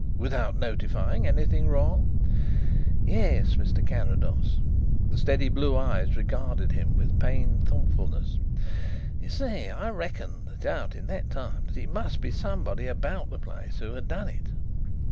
"Without notifying anything wrong?" "Yes, Mr. Carrados." The steady blue eyes regarded him with pained thoughtfulness. "You see, I reckoned it out in that time that it must be someone about the place who had done it."